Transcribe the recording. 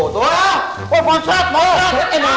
tuh tuh ah